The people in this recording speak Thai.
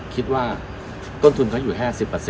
คิดว่าต้นทุนเขาอยู่๕๐